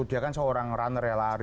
dia kan seorang runner ya lari